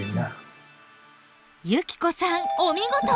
由希子さんお見事！